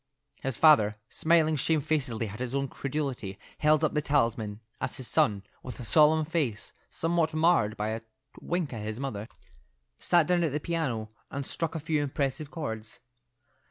His father, smiling shamefacedly at his own credulity, held up the talisman, as his son, with a solemn face, somewhat marred by a wink at his mother, sat down at the piano and struck a few impressive chords.